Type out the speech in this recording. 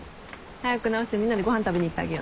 早く直してみんなでご飯食べに行ってあげようね。